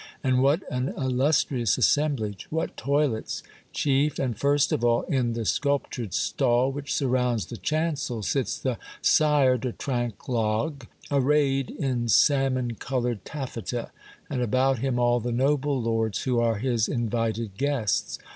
And what an illustrious assemblage ! what toilets ! Chief and first of all, in the sculp tured stall which surrounds the chancel, sits the Sire de Trinquelague, arrayed in salmon colored 262 Monday Tales, taffeta, and about him all the noble lords who are his invited guests.